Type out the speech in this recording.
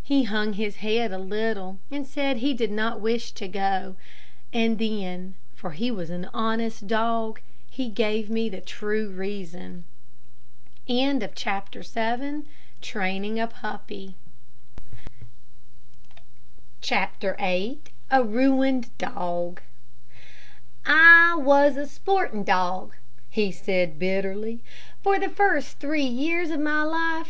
He hung his head a little, and said he did not wish to go, and then, for he was an honest dog, he gave me the true reason. CHAPTER VIII A RUINED DOG "I was a sporting dog," he said, bitterly, "for the first three years of my life.